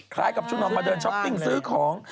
คล้ายกับชุดนอนมาเดินช้อปปิ้งซื้อของ